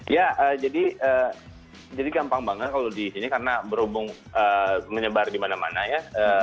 ya jadi gampang banget kalau di sini karena berhubung menyebar di mana mana ya